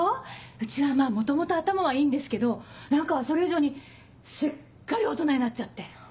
うちは元々頭はいいんですけど何かそれ以上にすっかり大人になっちゃって。